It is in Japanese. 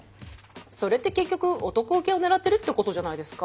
それって結局男ウケを狙ってるってことじゃないですか？